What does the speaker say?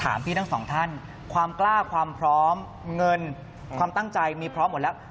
พี่ทั้งสองท่านความกล้าความพร้อมเงินความตั้งใจมีพร้อมหมดแล้ว